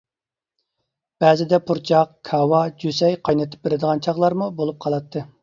بەزىدە پۇرچاق، كاۋا، جۈسەي قاينىتىپ بېرىدىغان چاغلارمۇ بولۇپ قالاتتى.